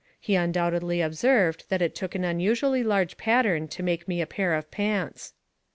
He undoubtedly observed that it took an unusually large pattern to make me a pair of pants."